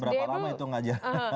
berapa lama itu ngajar